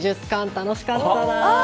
楽しかったな！